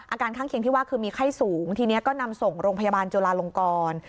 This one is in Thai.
ข้างเคียงที่ว่าคือมีไข้สูงทีนี้ก็นำส่งโรงพยาบาลจุลาลงกร